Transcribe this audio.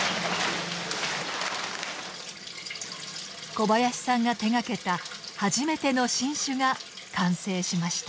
小林さんが手がけた初めての新酒が完成しました。